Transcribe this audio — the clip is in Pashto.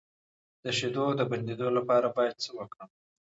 د شیدو د بندیدو لپاره باید څه وکړم؟